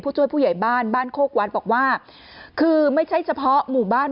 ช่วยผู้ใหญ่บ้านบ้านโคกวัดบอกว่าคือไม่ใช่เฉพาะหมู่บ้าน